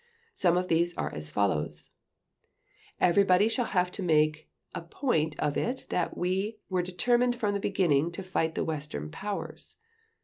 Some of these are as follows: "Everybody shall have to make a point of it that we were determined from the beginning to fight the Western Powers.